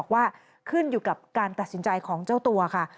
ขึ้นอยู่กับการตัดสินใจของเจ้าตัวค่ะ